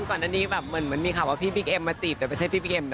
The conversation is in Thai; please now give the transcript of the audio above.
อันนี้เหมือนมีคำว่าพี่บิ๊กเอมมาจีบแต่ไม่ใช่พี่บิ๊กเอมเนอะ